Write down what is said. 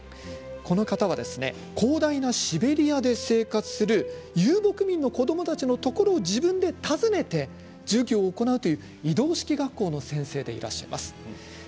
この方は広大なシベリアで生活する遊牧民の子どもたちのところに自分で訪ねていって授業を行うという移動式の学校の先生でいらっしゃいます。